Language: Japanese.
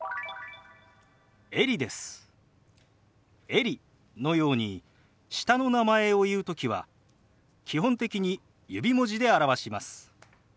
「エリ」のように下の名前を言う時は基本的に指文字で表します。